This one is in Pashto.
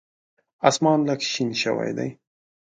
اسمان لږ شین شوی دی .